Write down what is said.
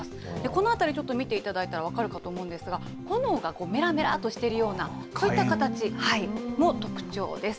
この辺り、ちょっと見ていただいたら分かるかと思うんですが、炎がめらめらっとしているような、そういった形も特徴です。